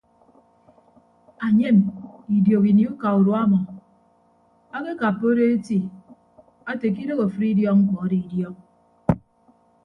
Enyem idiok ini uka urua ọmọ akekappa odo eti ate ke idooho afịd idiọk mkpọ ado idiọk.